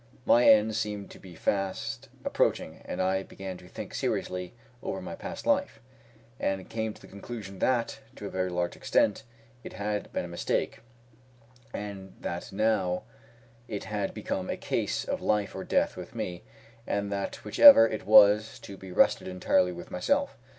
My end seemed to be fast approaching, and I began to think seriously over my past life, and came to the conclusion that, to a very large extent, it had been a mistake, and that now it had become a case of life or death with me, and that whichever it was to be rested entirely with myself.